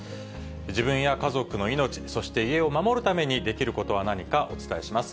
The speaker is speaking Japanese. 自分や家族の命、そして家を守るためにできることは何か、お伝えします。